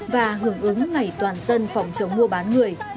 và hưởng ứng ngày toàn dân phòng chống mua bán người ba mươi bảy